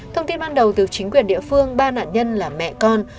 thông tin ban đầu từ chính quyền địa phương ba nạn nhân là mẹ con